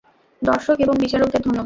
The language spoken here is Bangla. দর্শক এবং বিচারকদের ধন্যবাদ।